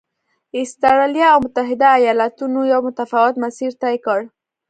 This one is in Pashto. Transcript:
اسټرالیا او متحدو ایالتونو یو متفاوت مسیر طی کړ.